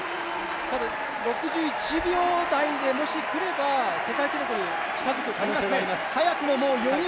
ただ、６１秒台でもし来れば、世界記録に近づく可能性があります。